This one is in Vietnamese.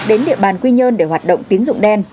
đến địa bàn quy nhơn để hoạt động tiếng rụng đen